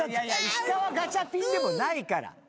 石川ガチャピンでもないから。